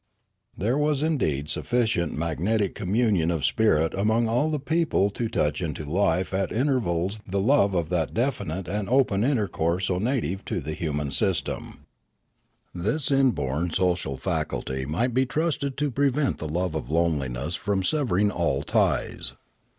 There was indeed sufficient magnetic communion of spirit among all the people to touch into life at inter vals the love of that definite and open intercourse so native to the human system. This inborn social faculty might be trusted to prevent the love of loneliness from severing all ties.